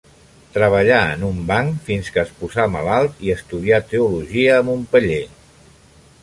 Treballà en un banc fins que es posà malalt i estudià teologia a Montpeller.